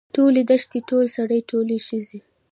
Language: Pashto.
ټولې دښتې ټول سړي ټولې ښځې.